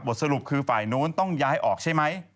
สรุปคือฝ่ายนู้นต้องย้ายออกใช่ไหม